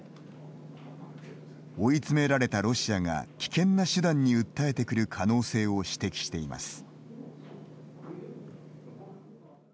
追い詰められたロシアが危険な手段に訴えてくる可能性を指摘しています。